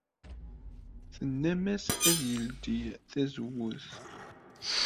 Tennam-as ad yeldey tazewwut.